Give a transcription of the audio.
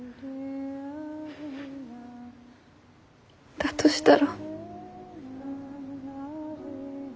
だとしたら。